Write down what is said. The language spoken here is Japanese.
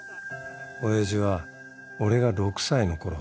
親父は俺が６歳のころ